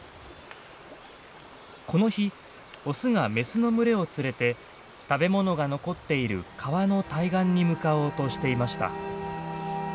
この日オスがメスの群れを連れて食べ物が残っている川の対岸に向かおうとしていました。